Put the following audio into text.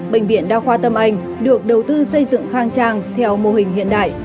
bệnh viện đa khoa tâm anh được đầu tư xây dựng khang trang theo mô hình hiện đại